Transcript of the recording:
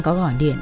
có gọi điện